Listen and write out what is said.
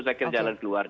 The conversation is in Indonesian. saya kira jalan keluar